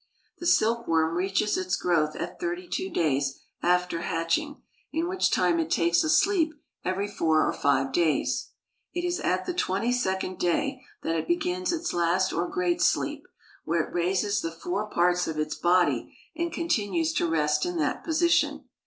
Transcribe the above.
The silkworm reaches its growth at thirty two days after hatching, in which time it takes a sleep every four or five days. It is at the twenty second day that it begins its last or great sleep, when it raises the fore parts of its body and continues to rest in that position.